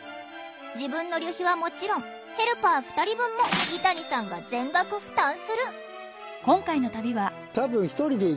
自分の旅費はもちろんヘルパー２人分も井谷さんが全額負担する。